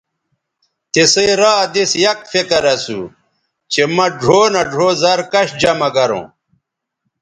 تِسئ را دِس یک فکر اسُو چہء مہ ڙھؤ نہ ڙھؤ زَر کش جمہ گروں